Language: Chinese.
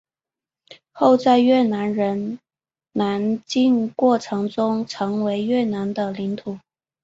后在越南人南进过程中成为越南的领土。